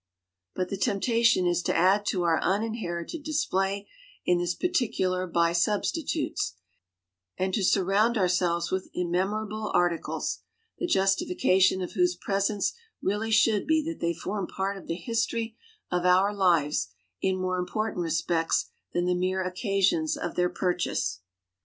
But the temptation is to add to our uninherited display in this particular by substitutes, and to surround ourselves with immemorable articles, the justification of whose presence really should be that they form part of the history of our lives in more important respects than the mere occasions of their purchase.